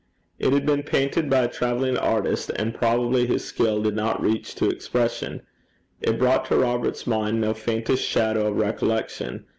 It had been painted by a travelling artist, and probably his skill did not reach to expression. It brought to Robert's mind no faintest shadow of recollection.